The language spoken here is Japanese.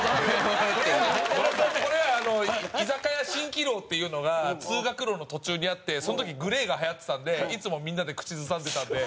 これはこれは居酒屋蜃気楼っていうのが通学路の途中にあってその時ＧＬＡＹがはやってたんでいつもみんなで口ずさんでたんで。